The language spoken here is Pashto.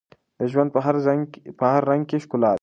د ژوند په هر رنګ کې ښکلا ده.